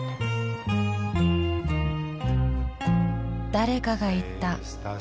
誰かが言った。